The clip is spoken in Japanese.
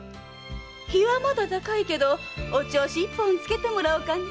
日はまだ高いけどお銚子一本つけてもらおうかねえ。